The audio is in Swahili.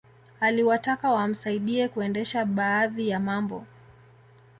Aliwataka wamsaidie kuendesha baadhi ya mambo